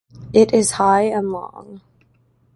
It is high and long.